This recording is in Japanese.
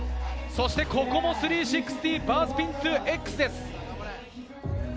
そしてここも３６０バースピントゥエックスです。